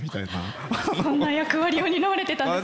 そんな役割を担われてたんですか。